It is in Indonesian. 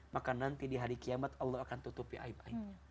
maka nanti di hari kiamat allah akan tutupi aib aibnya